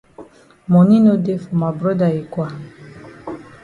Moni no dey for ma broda yi kwa.